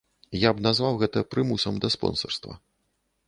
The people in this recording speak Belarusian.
Я б назваў гэта прымусам да спонсарства.